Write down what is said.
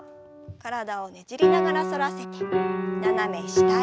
体をねじりながら反らせて斜め下へ。